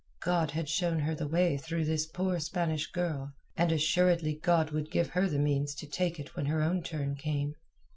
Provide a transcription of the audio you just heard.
God had shown her the way through this poor Spanish girl, and assuredly God would give her the means to take it when her own turn came.